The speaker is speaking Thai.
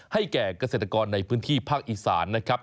ให้แก่เกษตรกรในพื้นที่ภาคอีสาน